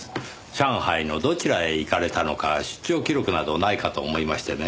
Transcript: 上海のどちらへ行かれたのか出張記録などないかと思いましてね。